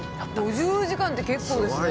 ５０時間って結構ですね。